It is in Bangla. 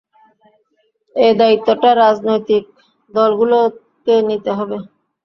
এ দায়িত্বটা রাজনৈতিক দলগুলোকে নিতে হবে।